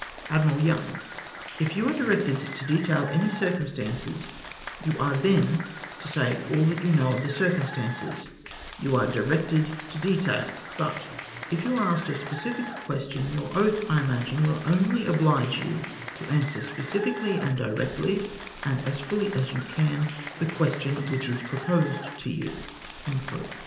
Admiral Young. —" If you are directed to detail any cir cumstances, you are then to say all you know of the circum stances you are directed to detail; but if you are asked a specific question, your oath, I imagine, will ordy oblige you to answer specifically and directly, and as fully as you can, tlie question tvhich is proposed to you!